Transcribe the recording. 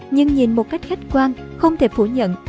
nhưng nhìn một cách khách quan không thể phủ nhận